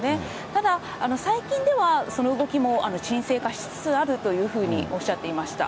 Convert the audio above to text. ただ、最近では、その動きも沈静化しつつあるというふうにおっしゃっていました。